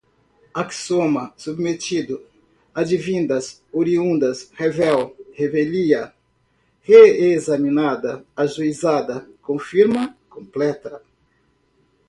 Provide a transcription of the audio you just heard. axioma, submetido, advindas, oriunda, revel, revelia, reexaminada, ajuizada, confirma, completa